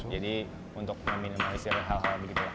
jadi untuk meminimalisir hal hal begitulah